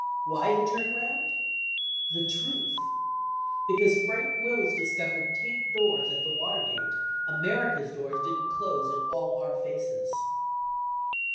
Why the turnaround ? The truth ! Because Frank WTlls discovered taped doors at the Watergate, America's doors didn't close in all our faces.